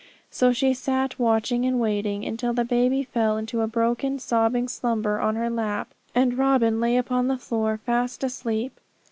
So she sat watching and waiting, until the baby fell into a broken, sobbing slumber on her lap, and Robin lay upon the floor fast asleep.